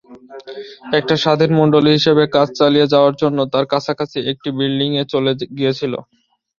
একটা স্বাধীন মণ্ডলী হিসেবে কাজ চালিয়ে যাওয়ার জন্য তারা কাছাকাছি একটা বিল্ডিংয়ে চলে গিয়েছিল।